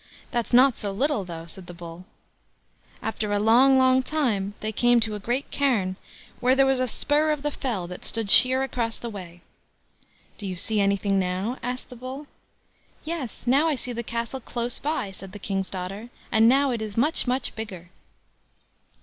"That's not so little though", said the Bull. After a long, long time, they came to a great cairn, where there was a spur of the fell that stood sheer across the way. "Do you see anything now?" asked the Bull. "Yes, now I see the castle close by", said the King's daughter, "and now it is much, much bigger."